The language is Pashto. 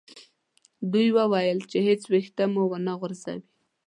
دوی وویل چې هیڅ ویښته مو و نه غورځي.